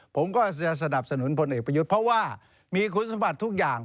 ผมก็จะสนับสนุนพลเอกประยุทธ์เพราะว่ามีคุณสมบัติทุกอย่าง